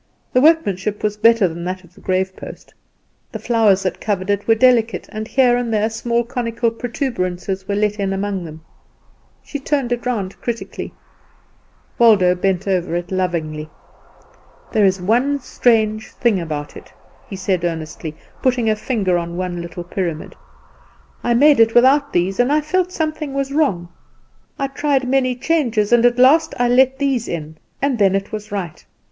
The workmanship was better than that of the grave post. The flowers that covered it were delicate, and here and there small conical protuberances were let in among them. She turned it round critically. Waldo bent over it lovingly. "There is one strange thing about it," he said earnestly, putting a finger on one little pyramid. "I made it without these, and I felt something was wrong; I tried many changes, and at last I let these in, and then it was right.